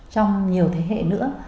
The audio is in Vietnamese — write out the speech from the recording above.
trong nhiều thế hệ nữa